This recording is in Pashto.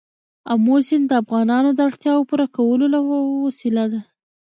آمو سیند د افغانانو د اړتیاوو د پوره کولو وسیله ده.